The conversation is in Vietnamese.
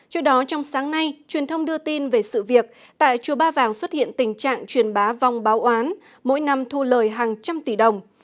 trước đó trong sáng nay truyền thông đưa tin về sự việc tại chùa ba vàng xuất hiện tình trạng truyền bá vong báo án mỗi năm thu lời hàng trăm tỷ đồng